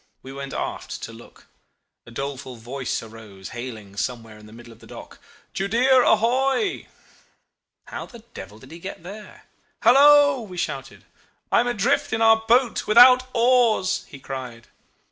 We went aft to look. A doleful voice arose hailing somewhere in the middle of the dock, 'Judea ahoy!'... How the devil did he get there?... 'Hallo!' we shouted. 'I am adrift in our boat without oars,' he cried.